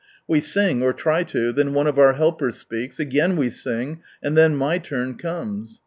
We sing, or try to, then one of our helpers speaks, again we sing, and then my turn comes.